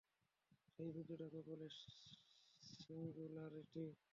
সেই বিন্দুটাকেও বলে সিঙ্গুলারিটি।